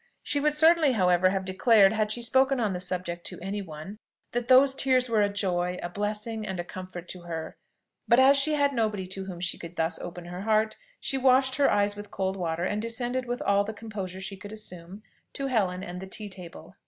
She would certainly, however, have declared, had she spoken on the subject to any one, that those tears were a joy, a blessing, and a comfort to her. But as she had nobody to whom she could thus open her heart, she washed her eyes with cold water, and descended with all the composure she could assume to Helen and the tea table.